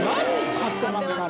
買ってますから。